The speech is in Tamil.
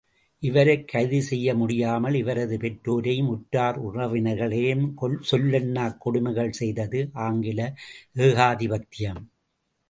இவரைக் கைது செய்ய முடியாமல் இவரது பெற்றோரையும் உற்றார் உறவினர்களையும் சொல்லொணாக் கொடுமைகள் செய்தது ஆங்கில ஏகாதிபத்யம்.